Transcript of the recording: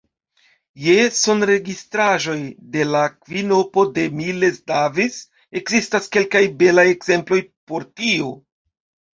Je sonregistraĵoj de la kvinopo de Miles Davis ekzistas kelkaj belaj ekzemploj por tio.